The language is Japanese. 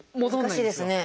難しいですね。